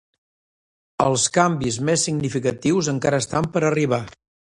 Els canvis més significatius encara estan per arribar.